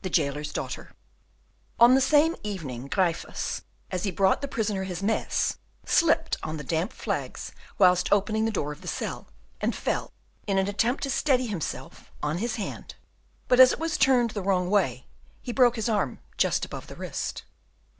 The Jailer's Daughter On the same evening Gryphus, as he brought the prisoner his mess, slipped on the damp flags whilst opening the door of the cell, and fell, in the attempt to steady himself, on his hand; but as it was turned the wrong way, he broke his arm just above the wrist.